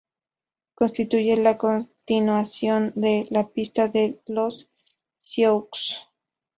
Constituye la continuación de "La pista de los Sioux".